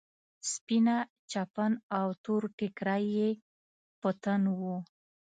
سپينه چپن او تور ټيکری يې په تن و.